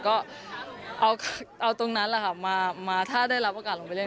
ก็เอาตรงนั้นแหละค่ะมาถ้าได้รับโอกาสลงไปเล่น